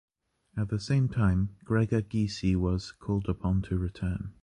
At the same time, Gregor Gysi was called upon to return.